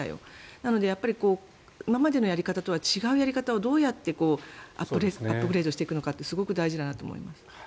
だから、今までのやり方とは違うやり方をどうやってアップグレードしていくのかはすごく大事だなと思います。